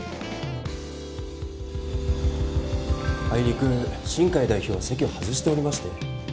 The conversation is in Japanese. あいにく新偕代表は席を外しておりまして。